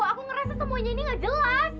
aku ngerasa semuanya ini gak jelas